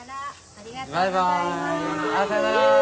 ありがとうございます。